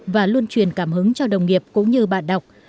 và luôn truyền cảm hứng cho đồng nghiệp cũng như bạn đọc